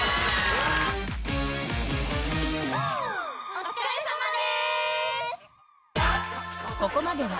お疲れさまでーす！